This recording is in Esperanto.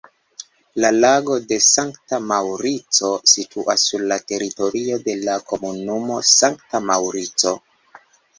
La Lago de Sankta Maŭrico situas sur la teritorio de la komunumo Sankta Maŭrico.